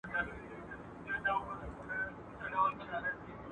د رویبار لاري سوې بندي زېری نه راځي جانانه `